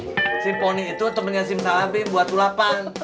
kalo simponi itu temennya simpon b buat ulapan